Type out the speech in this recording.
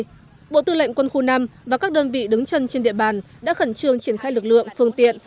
trước đó bộ tư lệnh quân khu năm và các đơn vị đứng chân trên địa bàn đã khẩn trương triển khai lực lượng phương tiện